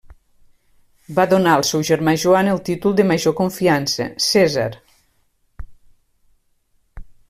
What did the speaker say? Va donar al seu germà Joan el títol de major confiança: cèsar.